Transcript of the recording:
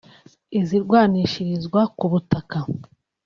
izirwanishirizwa ku butaka